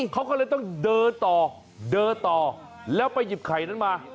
เขาก็เลยต้องเดินต่อเดินต่อแล้วไปหยิบไข่นั้นมา